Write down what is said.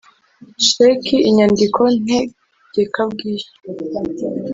Sheki inyandiko ntegekabwishyu